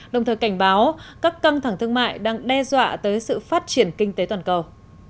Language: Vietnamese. đồng thời cảnh báo các căng thẳng thương mại đang đe dọa tới sự phát triển kinh tế toàn cầu